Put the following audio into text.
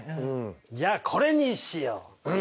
じゃあこれにしよう！